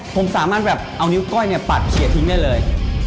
ผมสามารถแบบเอานิ้วก้อยเนี่ยปัดเฉียดทิ้งได้เลย